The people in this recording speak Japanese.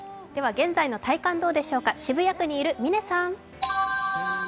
では現在の体感どうでしょうか、渋谷区にいる嶺さん。